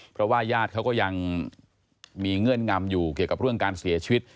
เพราะว่าญาติเขาก็ยังมีเงื่อนงำอยู่เกี่ยวกับเรื่องการเสียชีวิต